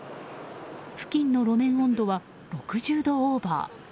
付近の路面温度は６０度オーバー。